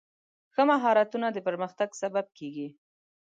ښه مهارتونه د پرمختګ سبب کېږي.